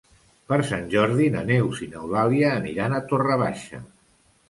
Per Sant Jordi na Neus i n'Eulàlia aniran a Torre Baixa.